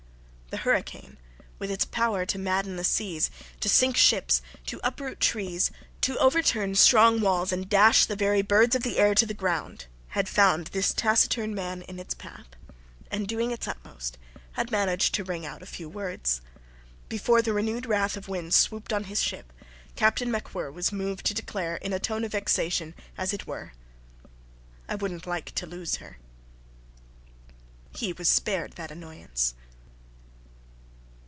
The hurricane, with its power to madden the seas, to sink ships, to uproot trees, to overturn strong walls and dash the very birds of the air to the ground, had found this taciturn man in its path, and, doing its utmost, had managed to wring out a few words. Before the renewed wrath of winds swooped on his ship, Captain MacWhirr was moved to declare, in a tone of vexation, as it were: "I wouldn't like to lose her." He was spared that annoyance.